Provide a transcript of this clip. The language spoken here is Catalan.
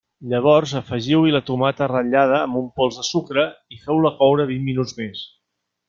Llavors afegiu-hi la tomata ratllada amb un pols de sucre i feu-la coure vint minuts més.